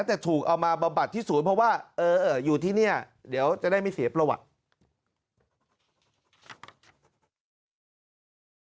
แต่ถูกเอามาบำบัดที่ศูนย์เพราะว่าอยู่ที่นี่เดี๋ยวจะได้ไม่เสียประวัติ